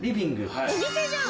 お店じゃん！